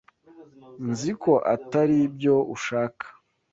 Nzi ko atari byo ushaka.